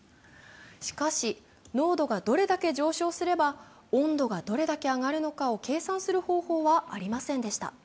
しかし、濃度がどれだけ上昇すれば温度がどれだけ上がるのかを計算する方法はありませんでした。